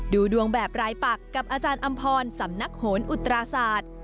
ดูดวงแบบรายปักกับอาจารย์อำพรสำนักโหนอุตราศาสตร์